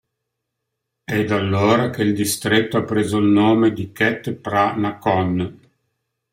È da allora che il distretto ha preso il nome di khet Phra Nakhon.